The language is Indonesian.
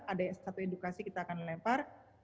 ada satu edukasi kita akan lempar